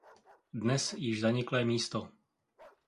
Dnes již zaniklé místo.